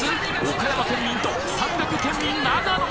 岡山県民と山岳県民・長野！